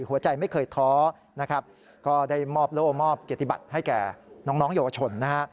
หัวใจไม่เคยท้อก็ได้มอบโล่มอบกิจิบัติให้แก่น้องโยกชน